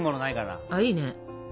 あいいね。